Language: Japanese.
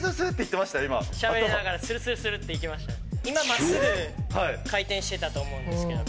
今、真っすぐ回転してたと思うんですけど。